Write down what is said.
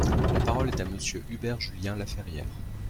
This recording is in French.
La parole est à Monsieur Hubert Julien-Laferriere.